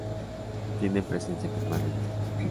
Tienen presencia permanente.